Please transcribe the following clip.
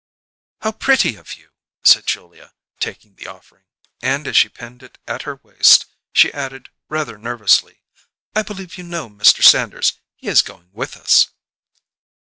"How pretty of you!" said Julia, taking the offering; and as she pinned it at her waist, she added rather nervously, "I believe you know Mr. Sanders; he is going with us."